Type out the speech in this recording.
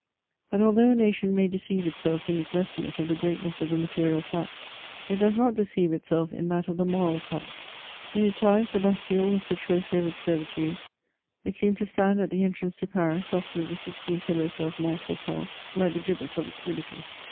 But although a nation may deceive itself in its estimate of the greatness of the material fact, it does not deceive itself in that of the moral fact ; in its eyes the Bastille was the trophy of its ser vitude ; it seemed to stand at the entrance to Paris, opposite the sixteen pillars of Montfau9on, like the gibbet of its liberty.